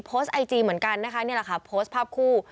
โพสต์ไอจีเหมือนกันนะคะนี่แหละค่ะโพสต์ภาพคู่